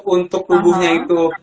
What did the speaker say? untuk tubuhnya itu